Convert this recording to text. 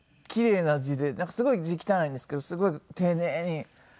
すごい字汚いんですけどすごい丁寧に書いて。